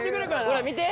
ほら見て。